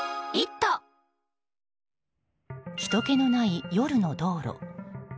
ひとけのない夜の道路。